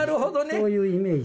そういうイメージ。